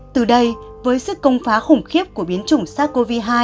từ đây với sức công phá khủng khiếp của biến chủng sars cov hai